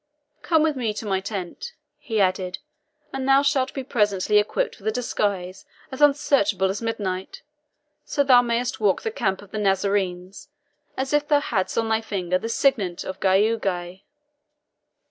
Come with me to my tent," he added, "and thou shalt be presently equipped with a disguise as unsearchable as midnight, so thou mayest walk the camp of the Nazarenes as if thou hadst on thy finger the signet of Giaougi."